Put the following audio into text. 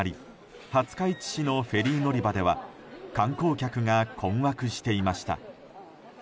廿日市市のフェリー乗り場では観光客が困惑していました。